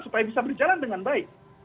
supaya bisa berjalan dengan baik